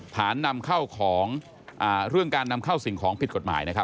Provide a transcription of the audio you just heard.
นำเข้าของเรื่องการนำเข้าสิ่งของผิดกฎหมายนะครับ